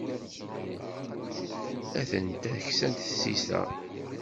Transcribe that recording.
Atent-a ksant tsita.